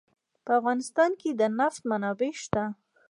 په افغانستان کې د نفت منابع شته.